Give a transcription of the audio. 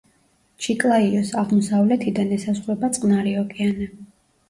ჩიკლაიოს აღმოსავლეთიდან ესაზღვრება წყნარი ოკეანე.